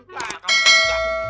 pak kamu tidak